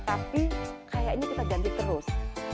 tapi kayaknya kita ganti terus